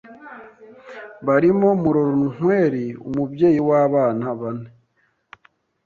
barimo Murorunkwere, umubyeyi w’abana bane